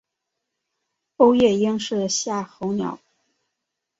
欧夜鹰是夏候鸟。